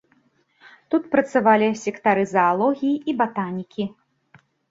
Тут працавалі сектары заалогіі і батанікі.